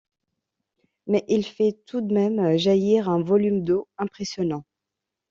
Mais il fait tout de même jaillir un volume d'eau impressionnant.